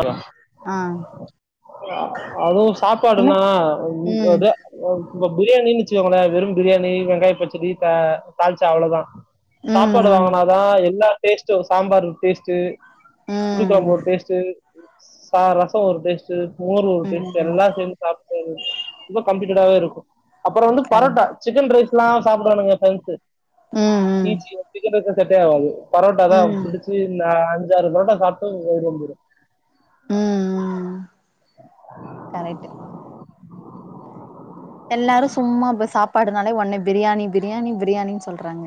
ஆ ஆ அதுவு என்ன சாப்பாடுனா [inaudible] ம் இப்ப பிரியாணினு வச்சுக்கோங்களே வெறு பிரியாணி வெங்காய பச்சடி த தாள்ச்சா அவ்ளதா சாப்பாடு ம் வாங்கனாதா எல்லா டேஸ்டோ சாம்பாரொரு டேஸ்டு உ சாரசோ ஒரு ப்ளேஸ் மோரு ஒரு ம் டேஸ்டு ம் எல்லா சேந்து சாப்டு ரொம்ப கம்ஃபுட்டடாவே இருக்கு அப்பறோ வந்து பரோட்டா கரெக்ட்டு சிக்கன் ரைஸ் லா சாப்பிடணுங்க சேத்து ம் சி ம் சி சிக்கன் ரைசு செட்டே ஆகாது பரோட்ட தான் ம் ம் முடிச்சுத்தா அஞ்சாருபுரோட்டா சாப்ட்டு [inaudible] வந்ரு உ உ கரெக்ட்டு எல்லாரு சும்மா இப்ப சாப்பாடுனாலே ஒன்னு பிரியாணி பிரியாணி பிரியாணின்னு சொல்றாங்க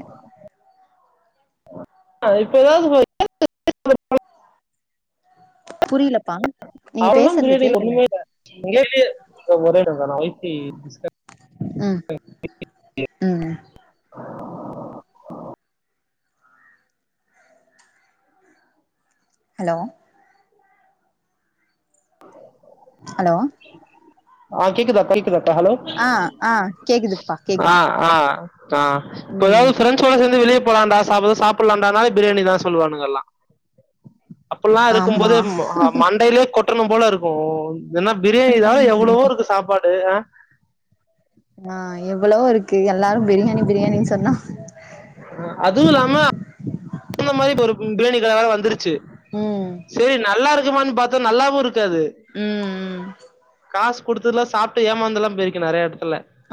ஆ இப்போதாவது [inaudible] புரியலப்பா அவளல்லா முன்னாடிலா ஒண்ணுமே இல்ல [inaudible] ஒரே எடமா [inaudible] அ உ ஹலோ ஹலோ ஆ கேக்குதா கேக்குதா ஹலோ ஆ ஆ கேக்குதுப்பா ஆ கேக்குது ஆ ஆ இப்ப ம் ஏதாவது பிரென்சோட சேந்து வெளிய போலான்டா சாப்ப எதா சாப்பிடலாண்டானாலே பிரியாணி தா சொல்லுவானுங்க எல்லா அப்பல்லா ஆமா இருக்கம்போது மண்டையிலே கொ ட்ரணும்போல இருக்கு என்னனா பிரியாணி எதா எவ்ளவோ இருக்கு சாப்பாடு ஆ எவ்வளோ இருக்கு எல்லாரு பிரியாணி பிரியாணின் சொன்னா அதுவு இல்லாம இந்த மாரி ஒரு [unintelligible] வேற வந்துருச்சி ம் சேரி நல்லா இரு ங்குமா பாத்தா நல்லாவு இரு க்காது ம் ம் காஸ் குடுத்ததுலா சாப்ட்டு ஏமாந்தலா போயிருக்கு நெறைய இடத்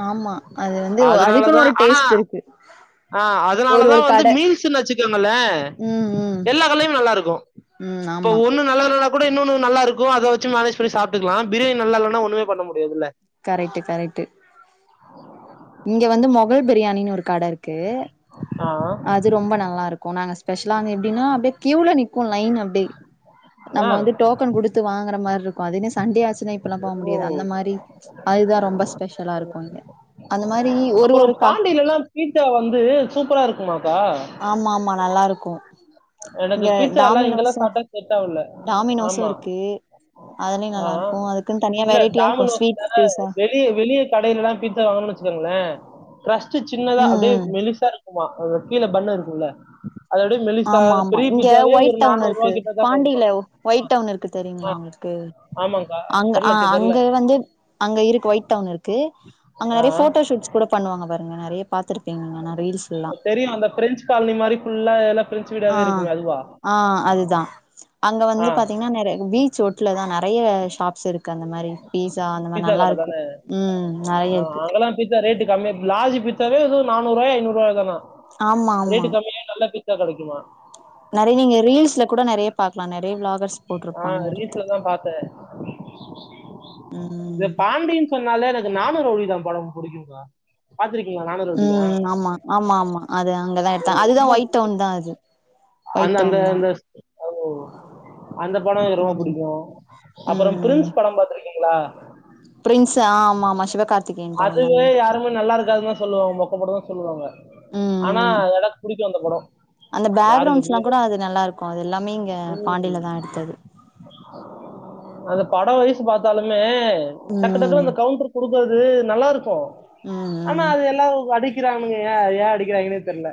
ஆமா அது வந்து அதுக்குன்னு ஒரு ஆனா டேஸ்ட் இருக்கு ஒரு ஒரு கட கியோமல்ல ம் ம் எல்லா கல்லையு நல்லா இருக்கு ம் இப்போ ஆமா ஒண்ணு நல்லல்லா கூட இன்னு நல்லா இருக்கு அதவச்சி மேனேஜ் பண்ணி சாப்ட்டுக்கலா பிரியாணி நல்லா இல்லன்னா ஒண்ணமே பண்ண முடியதுல்ல கரெக்ட் கரெக்ட் [inaudible] இங்க வந்து மொகல் பிரியாணின்னு ஒரு கட இருக் கே ஆ அது ரொம்ப நல்லா இருக்கு நாங்க ஸ்பொஷலா அங்க எப்பிடினா அப்டியே கிவ்ல லைன்னு அப்டே ஆ நம்ப வந்து டோக்கன் கொடுத்து வாங்கற மாரி இருக்கு அதனே சண்டே ஆச் த்னா இப்பல்லா போக முடியாது அந்த மாரி அதுதா ரொம்ப ஸ்பெஷலா இருக் போங்க அப்புறோ பாண்டியிலலா பீட்சா வந்து சூப்பரா இருக்குமாக்க ஆமா ஆமா நல்லா இருக்கு எனக்கு இங்க பீட்சா எல்லா இங்கெல்லா டாமினோஸு சாப்ட்டா செட் ஆவுல டாமினோஸு ஆமா இருக்கு அதுலயு ஆ நல்லா இருக்கு அதுக்குன்னு தனியா இல்ல வெரைட்டியா இருக்கு ஸ்வீட் டாமினோஸ்ல பீஸா வெளிய வெளிய கடையிலலா பீட்சா வாங்கணுனு வச்சிக்கோங்கள ரஸ்ட் சின்னதா ம் அப்டியே ம் மெலிசா இருக்குமா அ கீல பண்னு இருக்குல்ல அத அப் மெ ஆமா ஆமா இங்க ஒயிட் டவுன் இருக்கு கிட்ட தான் வருமா பாண்டியில ஒயிட் டவுன் இருக்கு ஆ தெரியுங்களா உங்களுக்கு ஆமாங்கா அங்க ஆ தெரியல தெரியல அங்க வந்து அங்க இருக்கு ஒயிட் டவுன் இருக்கு அங்க ஆ நெறிய போட்டோ ஷூட்ஸ் கூட பண்ணுவாங்க பாருங்க நெறய பாத்துர் தெரியு அந்த பிரெஞ் காலனி மாரி ஃபுல்லா பிரெஞ்சு ஆ வீடாவே இருக்குமே அதுவா ஆ அதுதா அங்க ஆ வந்து பாத்தீங்கன்னா நெறய பீச் ஓட்ல தா நெறய ஷாப்ஸ் இரு க்கு அந்த மாரி பீஸா அந்த மாரி பீட்சா நல்லா கடை இருக்கு தானே ம் நெறய இருக்கு கமிம்ய லார்ஜ் பீட்ஸாவே நாநூறு ஐநூறுவாதான ஆமா ரேட்டு கம்மிய நல்லா தி இத்தா கேடைக்குமா நெறய் நீங்க ரீல்ஸ்ல கூட நெறைய பாக்கலா நெறய விளாகர் ஆ ரீல்ஸ்லதா பாத்தே த ம் பாண்டினு சொன்னாலே எனக்கு நானு ரௌடிதா படம் குடியுங்க பாத்ருக்கே உம் ஆமா-ஆமா-ஆமா அது அங்கதா எடுத்த அதுதா ஒயிட் டவுன் தா அது ஒயிட் டவுன் தா அந்த-அந்த-அந்த ஆ [unintelligible] அந்த பட எனக்கு ரொம்ப ம் புடிக்கு ம் அப்ற ம் பிரின்ஸ் படம் பாத்ருக்கே லா பிரின்ஸ் ஆ ஆமா-ஆமா சிவகார்த்தி அதுவே யாருமே நல்லா இருக்காது தா சொல்லுவாங்கோ அந்த படம் தா சொல்லுவாங்க ம் ஆனா ம் எனக்கு புடிக்கு அந்த படம் அந்த பேக்ரவுண்ஸ்லா கூட அது நல்லா இருக்கு அது எல்லாமே இங்க பாண்டியில உம் தா எடுத்தது அது பட வயசு பாதாலுமே டக்கு-டக்குனு ம் அந்த கவுண்ரு குடுக்க து நல்லா இருக்கு ம் ஆனா ம் அது எல்லா அ அடிக்குறானுங்க ஏ ஏ அடிக்குறாங்னே தெர்ல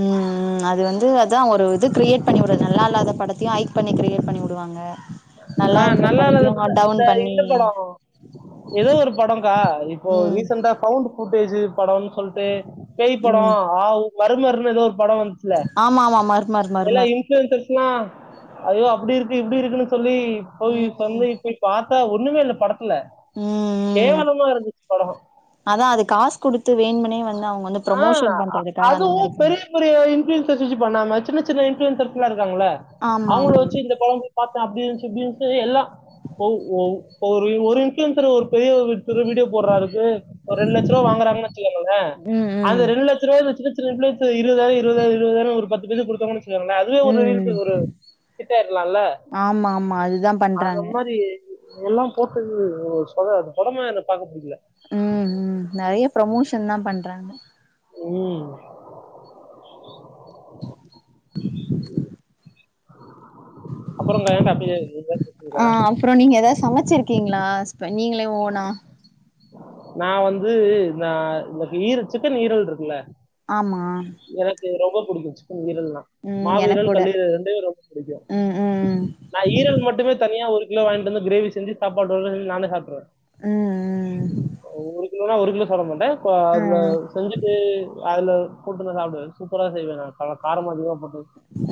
உம் உம் அது வந்து அதா ஒரு இது கிரியேட் பண்ணி விறது நல்லா இல்லாத படத்தயு ஹைக் பண்ணி கிரியேட் பண்ணி விடுவாங்க ஆ இருக்கிற நல்லா இல்லாத படத்தையு டவுன் இந்த பண்ணி இந்த பட ஏதோ ஒரு படகா இப்போ ம் ரீசெண்டா வௌண்ட் கூட்டேஜு படனு சொல்ட்டு பேய் பட ம் ஆ மர்மர்னு ஏதோ பட வந்துச்ல ஆமா ஆமா மர்மர் எல்லா மர்மர் இன்ஃபுலுயன்சர்ஸ்னா ஐயோ அப்டி இருக்கு இப்டி இருக்கு சொல்லுடி போ் ம் சொந்து இப்படி பார்த்த [unintelligible] அக்கா ஒண்ணுமே இல்ல படத்த ம் ம் கேவலமா இருந்துச்சு பட த்து வேண்முனே வந்து அவுங்க வந்து ப்ரோமோஷன் பண்றதுக்காக அந்த மாரி அதுவும் பண்ண பெரிய பெரிய இன்ஃப்ளூயன்சர்ஸ் வச்சு பண்ணாம சின்ன சின்ன இன் இருகாங்ள ஆமா அவுங்ள ஆமா வச்சு இந்த பட பாத்து அப்டி இருந்சு இப்டி இருந்சு எல்லா ஒரு இன்ஃபுலுயன்சர் ஒரு பெரிய வீடியோ போடுறாருக்கு ரெண்டு லெட்சம் ரூபா வாங்ற ம் அந்த ம் ரெண்டு லட்ச ரூபாய் வச்சு [unintelligible] இருவதாயிர இருவதாயிர இருவதாயிர ஒரு பத்து [unintelligible] குடுத்தவன அதுவே ஒரு ம் [unintelligible] ஒரு ஃபிட்டாயிர்கலால்ல ஆமா ஆமா அதுதா அந்த பண்றாங்க மாரி இவல்லா போட்டது [unintelligible] எனக் பாக்க புடிக்கல எல்லாம் பண்றாங்க ம் அப்புறம்க்கா ஏன்க்கா அப்படியே ஆ அப்றொ நீங்க எதா சமச்சுருக் கீங்ளா ஸ்ப நீங்களே ஓனா நா வந்து நா இந்த ஈர சிக்கன் ஈரல் இருக்குல்ல ஆமா புடிகச்சு ஈரல்னா ம் எனக் மாவீரல் கூட கல்லீரல் ரெண்டுமெ ரொம்ப பிடிக்கு ம் ம் நா ஈரல் மட்டுமே தனியா ஒரு கிலோ வாங்கிட்டு வந்து கிரேவி செஞ்சு சாப்பாடு போட சொல்லி நானெ சாப்ட்ருவ ம் ம் ஒ ஒரு கிலோனா ஒரு கிலோ சாப்டமாட்டே கா அதுல ம் செஞ்சுட்டு அதுல போட்டு நா சாப்டுவே சூப்பரா செய்வே நா ஆனா காரமு அதிகமா பு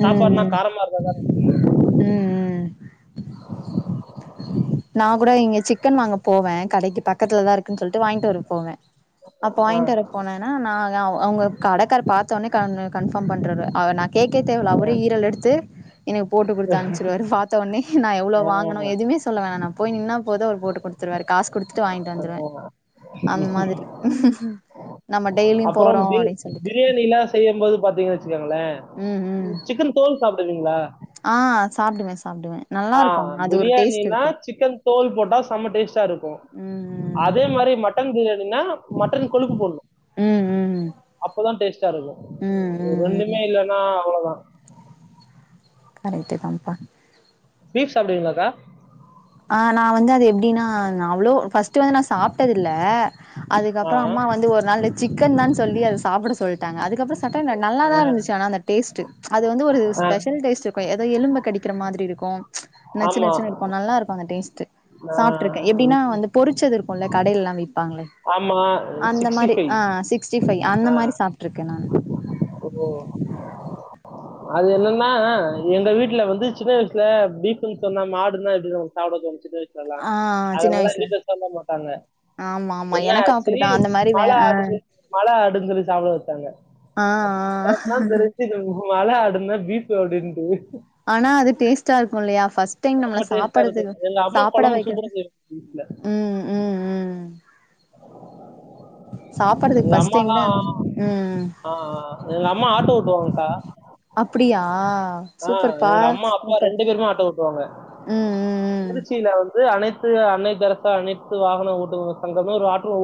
ம் ம் பிடிக்கும் ம் ம் நா கூட இங்க சிக்கன் வாங்க போவே கடைக்கு பக்கத்துலதா இருக் குன் சொல்ட்டு வாயின்ட்டு வர போவே அப்ப ஆ, வாயின்ட்டுவர போனெனா நா அவுங்க கடைக்கார் பாத்தோன்னே கன் கன்ஃபார்ம் பண்றாரு அவ ந கேக்கே தேவல ஆ, அவரே ஈரல் எடுத்து எனக்கு போட்டு குடுத்து அனுப்ச்சிருவாரு பாத்தோனே நா எவ்ளோ ஆ, வாங்கனு எதுவ்மே சொல்ல போய் நின்னா போது அவர் போட்டு குடுத்துருவாரு காசு குடுத்துட்டு வாங்கிட்டு வந்துருவே ஆ. அந்மாதிரி நம்ம டெய்லியு அப்புறம் போறோ பி- அப்டி சொல்லிட்டு பிரியாணிலாம் செய்யும்போது பாத்தீங்கன்னு வச்சுக்கோங்களேன் ம் ம் சிக்கன் தோல் சாப்பிடுவீங்களா ஆ சாப்டுவே சாப்டுவே ஆ நல்லாருக்கு அது ஒரு டேஸ்ட் பிரியாணின்னா இருக்கு சிக்கன் தோல் போட்டா செம டேஸ்டா இருக்கு ம் அதே மாரி மட்டன் பிரியாணினா மட்டன் கொழுப்பு போட்ணு ம் ம் ம் அப்பதா டேஸ்ட் டா இருக்கு ம் ம் ம் ஒன்னுமே இல்லன்னா அவ்ளொ தா கரெட்டுதாம்பா பீஃப் சாப்டுவீங்ளாக்கா? ஆ நா வந்து அது எப்டின்னா அவ்ளோ ஃபர்ஸ்ட்டு வந்து நா சாப்டதில்ல ஆ, அதுக்கப்றொ அம்மா வந்து ஒரு நாளு சிக்கன் தான் சொல்லி அத சாப்புட சொல் டாங்க அதுக்கப்றொ சாப்டா ஆ. நல்லாதா ஆ, இருந்துச்சு ஆனா அந்த டேஸ்ட்டு அது வந்து ஒ ஒரு ஆ. ஸ்பெஷல் டேஸ்ட் இருக்கும் எலும்ப கடிக்கிற மாதிரி இருக்கும் நச்சு ஆமா. நச்சின இருக்கும் நல்லா இருக்கும் அந்தடேஸ்டு ஆ சாப்பிட்டு இருக்கேன் எப்படின்னா இது வந்து பொறிச்சது உள்ள கடைடெல்லாம் விட்டு விப்பாங்க ஆமா. அந்த மாதிரி ஹ் சிக்ஸ் ஃபை அந்த மாதிரி சாப்பிட்ருக்கேன் நான் ஓ அது என்னன்னா எங்க வீட்டுல வந்து சின்ன வயசுல பீப்ன்னு சொன்னா மாடுன்னா எப்படி நம்ம சாப்பிட ஆ சின்ன அதனாலாம் வயசுல வீட்டு சொல்ல மாட்டாங்க ஆமா ஆமா என்ன எனக்கு ஆச்சு அப்டித்தா அந்த மாரி வே மழை ஆடு ஆ மழை ஆடு சாப்பிட வச்சாங்க ஆ ஆ அப்புறமா தெரிஞ்ச்சு மலை ஆடுன பீப் அப்படினுட்டு ஆனா அது டேஸ்டா இருக்கும் இல்லையா பர்ஸ்ட் ரொம்ப நம்மளை டேஸ்டா இருக்கும் சாப்பிடுறதுக்கு எங்க அம்மா சாப்பிட குழம்பு வைக்க சூப்பரா செய்வாங்க பீஃப்ல உம் உம் உம் சாப்படுறது ஃபர்ஸ்ட் டைம் தான் உம் ஆஹ் ஆஹ் எங்க அம்மா ஆட்டோ ஓட்டுவாங்க க்கா அப்படியா சூப்பர் பா எங்க அம்மா அப்பா சூப்பர் ரெண்டு பேருமே ஆட்டோ ஓட்டுவாங்க உம் உம் உம் திருச்சியில வந்து அனைத்து அன்னை தெரசா அனைத்து வாகனம் ஓட்டு சங்கமே ஒருஓ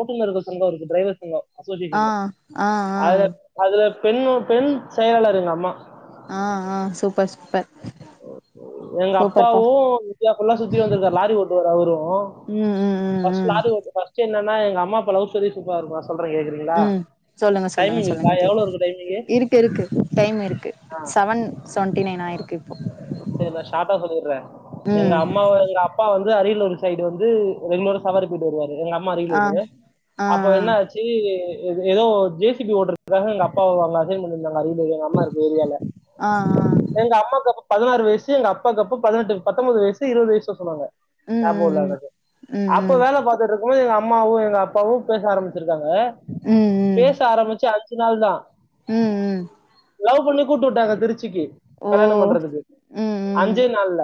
ஓட்டுநர்கள் சங்கம் இருக்கு டிரைவர் சங்கம் சொல்லிஇருக்கங்க ஆஹ் ஆஹ் பெண் பெண் செயலாளர்ரு எங்க அம்மா ஆஹ் ஆஹ் சூப்பர் சூப்பர் எங்க சூப்பர்ப்பா அப்பாவும் இந்தியா புல்லா சுத்தி வந்திருக்காரு லாரி ஓட்டுவார் அவரும் ம் ம் ம் ஃபர்ஸ்ட் ம் லாரி ஓட்டு என்ன எங்க அம்மா அப்பா லவ் ஸ்டோரி சூப்பரா இருக்கும் சொல்றேன் கேக்குறீங்களா உம் சொல்லுங்க சொல்லுங்க டைமிங் இருக்கா சொல்லுங்க எவ்வளோ கேக்குது இருக்கு டைமிங்கு இருக்கு இருக்கு டைம் இருக்கு ஆ செவன் செவன்டி நைன் ஆயி இருக்கு செரி நான் ஷாட்டா சொல்லிடுறேன் எங்க ம் அம்மாவ எங்க அப்பா வந்து அரியலூர் சைடு வந்து ரெகுலரா சவாரிப் போயிட்டு வருவார் எங்க அம்மா ஆ அரியலூரு ஆ அப்ப ஆ என்ன ஆச்சு ஏதோ ஜே சிபி ஓட்டுதிற்க்காக எங்க அப்பா வர அரியலூர்ல எங்க அம்மா இருக்க ஏரியால ஆ ஆ எங்க அம்மாக்கு பதினாறு வயசு எங்க அப்பாக்கு அப்ப பதினட்டு பத்தன்பது வயசு இருபது வயசோ சொன்னாங்க ம் ம் அப்ப ம் வேலை பாத்துட்டு இருக்கும் போது எங்க அம்மாவும் எங்க அப்பாவும் பேச ஆரம்பிச்சு இருக்காங்க ம் பேச ஆரம்பிச்சு அனுப் அதனால தான் உம் உம் லவ் பண்ணி கூட்டிட்டுவன்ட்டாங்க திருச்சிக்கு கல்யாணம் பண்றதுக்கு ம் ம் அஞ்சே நாள்ல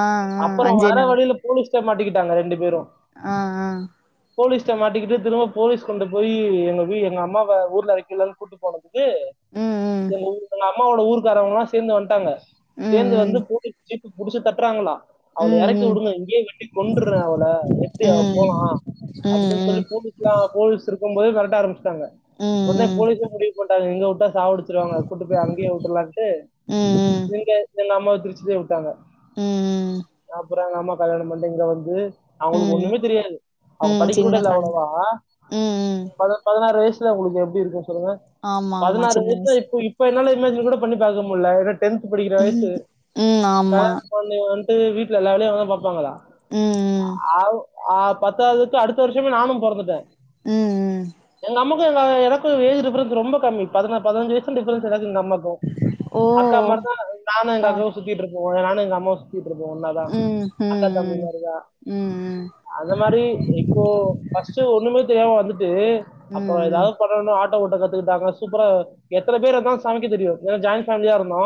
ஆ ஆ அப்புறம் அஞ்சே வர வழியில போலீஸ் மாட்டிக்கிட்டாங்க ரெண்டு பேரும் ஆஹ் ஆஹ் போலீஸ்ட மாட்டிக்கிட்டு திரும்ப போலீஸ் கொண்டு போய் எங்க எங்க அம்மாவ ஊர்ல வைக்கலாம்னு கூட்டு போனது ம் ம் எங்க ஊரு அம்மாவோட ஊரு ஊருக்காரவங்கல்லாம் சேர்ந்து வந்துட்டாங்க ம் சேர்ந்து வந்து ம் போட்டு முடிச்சு தட்டுறாங்களா அவளை இறக்கி ம் விடு இங்கேயே வெட்டி கொண்டுறேன் அவள ம் எப்படி அவ ம் போலாம் அப்படின்னு சொல்லி ம் போலீஸ் எல்லாம் போலீஸ் போம் போது நல்ல இரு டாங்க ம் உடனே ம் போலீசே முடிவு பன்னிட்டாங்க இங்க வுட்டா சாவடிச்சிருவாங்க கூட்டிட்டு போய் அங்கேயே விட்டலான்ட்டு ம் நீங்க அம்மாவ திருச்சிக்கே விட்டாங்க ம் அப்ப ங்க அம்மா கல்யாணம் பண்ட்டு இங்க வந்துட்டு அவங்களுக்கு ம் ஒண்ணுமே தெரியாது அவங்க ம் படிக்க சின்ன கூட இல்ல கொழந்த அவ்வளவா ம் ம் ப பதினாறு வயசு உங்களுக்கு எப்படி இருக்கு சொல்லுங்க ஆமா ஆமா பதினாறு சின்ன வயசுல வயசு இப்ப இப்ப என்னால மேரேஜ் கூட பண்ணிப் பாக்க முடியல இ டன்த் படிக்கிது உம் ஆமா வீட்ல எல்லா வேலையும் வந்து பார்பாங்களா ம் ஆ ஆஹ் பத்தாவதுக்கு அடுத்த வருஷமே நானும் பொறந்துட்டே ம் ம் ம் நமக்கு எ எனக்கு ஏஜ் டிபரன்ஸ் ரொம்ப கம்மி பதின பதின்சு வயசு டிப்ரன்ஸ் எனக்கு நமக்கும் ஓ அக்கா மாரி தான் நானும் ஆ எங்கஅக்காவும் சுத்திட்டு இருப்போம் போக நானு எகமா த்திட்ருபோ ஒன்னாதா ம் ம் அக்கா தம்பி ம் மாரிதா ம் ம் அந்த மாரி இப்போ பஸ்ட் ஒண்ணுமே தேவ வந்துட்டு ம் அப்ப ம் ஏதாவது பண்ணு ஆ ட்ட ஓட்ட கத்துக்கிட்டாங்க சூப்பரா எத்தன பேர் இருந்த சமைக்க தெரியு ஜாயிண்ட் ஃபேமிலியா இருந்தோ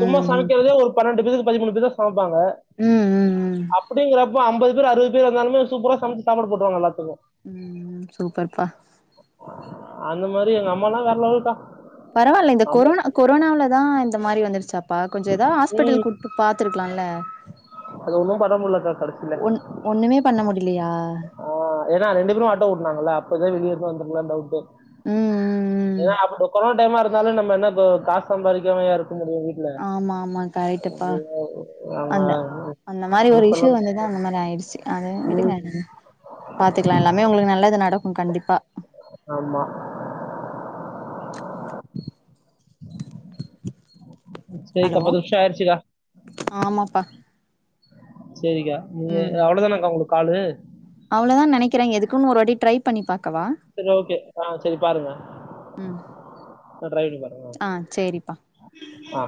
சும்மா சமைக்கிறதே ஒரு பன்னெண்டு பேதுக்கு பதிமூனுபேதா சாம்ப் ம்பாங்க ம் ம் ம் அப்பிடிங்கிறப் வா அம்பது பேர் அறுது பேர் வந்தாலுமே சூப்பரா சமைச்ச சாப்பாடு போடுறவாங்க எல்லாத்துக்கு ம் ம் சூப்பர்ப்பா அந்த மாரி எங்க அம்மாலா வேற லெவலக்கா பரவாயில்ல இந்த கொரோனா கொரோனாவுலதா இந் த்த மாரி வருச்சாப் ப்பா கொஞ்ச ஏதா ஹாஸ்பிட்டல ம், கூப்பு பாத்துருக்கலால்ல அது ஒன்றும் பண்ண முடியலக்கா கடைசியில ஒன் ஒண்ணுமே பண்ண முடிலையா கொஞ்ச நேரோ வெளி இருந்து வந்துக்கலா டவுட்டு ம் ம் ம் ஏனா அப்பு கொரோனா டைமா இருக் இருந்தாலு நம்ம என்ன இப்போ காசு சம்பாரிக்காமயா இருக் ஆமா ஆமா காரக்ட்டப்பா அவங்க அந்த அந்த மாரி என்ன ஒரு சொல்ல இஷ்யூ வந்துதா அந்த மாரி ஆயிடிச்சு அது ம், விட்டுங்க பாத்துக்கலா எல்லாமே உங்களுக்கு நல்லது நடக் க்கு கண்டிப்பா ஆமா உ [unintelligible] சேரிக்கா ஹலோ பத்து நிமிஷ ஆயிடுச்சிகா ஆமாப்பா சேரிக்கா நீ ம் அவ்ளோதாக்கா உங்களுக் காலு அவ்ளோதா நெனைக்கிறே எதுக் க்குன் ஒரு வாட்டி ட்ரை பண்ணி பா சேரி ஓகே ஆ சேரி பாருங்க ம் நா டிரைவிங்ல ஆ சேரிப்பா [unintelligible] ஆ